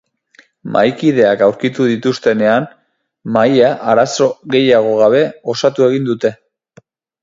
Mahaikideak aurkitu dituztenean, mahaia arazo gehiago gabe osatu egin dute.